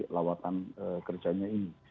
lawatan kerjanya ini